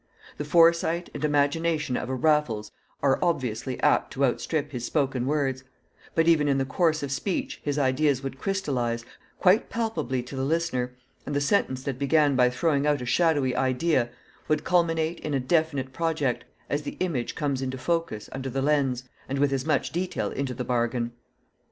The foresight and imagination of a Raffles are obviously apt to outstrip his spoken words; but even in the course of speech his ideas would crystallise, quite palpably to the listener, and the sentence that began by throwing out a shadowy idea would culminate in a definite project, as the image comes into focus under the lens, and with as much detail into the bargain.